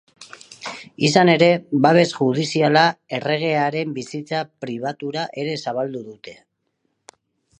Izan ere, babes judiziala erregearen bizitza pribatura ere zabaldu dute.